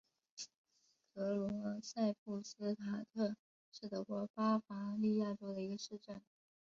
格罗赛布斯塔特是德国巴伐利亚州的一个市镇。